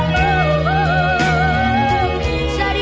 แน่แน่รู้เหรอ